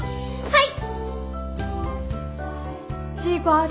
はい！